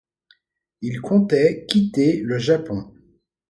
Il comptait quitter le Japon.